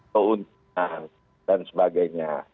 keuntungan dan sebagainya